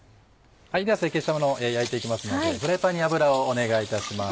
では成形したものを焼いていきますのでフライパンに油をお願いいたします。